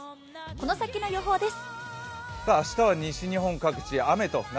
この先の予報です。